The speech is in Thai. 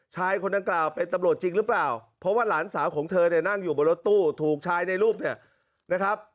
คนดังกล่าวเป็นตำรวจจริงหรือเปล่าเพราะว่าหลานสาวของเธอเนี่ยนั่งอยู่บนรถตู้ถูกชายในรูปเนี่ยนะครับ